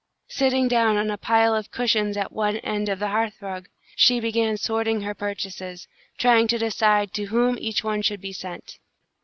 Sitting down on a pile of cushions at one end of the hearth rug, she began sorting her purchases, trying to decide to whom each one should be sent.